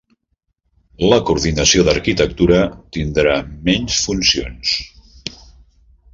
La coordinació d'Arquitectura tindrà menys funcions